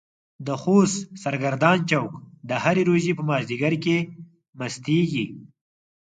د خوست سرګردان چوک د هرې روژې په مازديګر کې مستيږي.